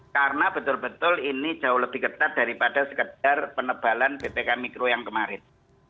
karena betul betul ini jauh lebih ketat daripada sekedar penebalan ppkm mikro yang kemarin